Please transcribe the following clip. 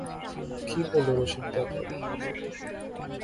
কী বল রসিকদাদা।